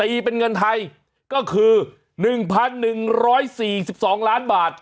ตีเป็นเงินไทยก็คือหนึ่งพันหนึ่งร้อยสี่สิบสองล้านบาท